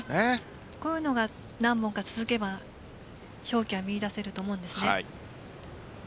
こういうのが何本か続けば勝機は見い出せると思うんです。